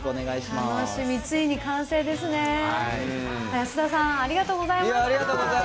安田さん、ありがとうございます。